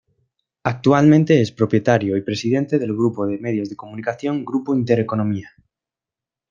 Actualmente es propietario y presidente del grupo de medios de comunicación Grupo Intereconomía.